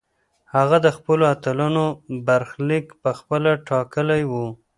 هغه د خپلو اتلانو برخلیک پخپله ټاکلی و.